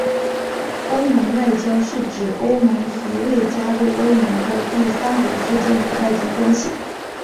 欧盟外交是指欧盟和未加入欧盟的第三国之间的外交关系。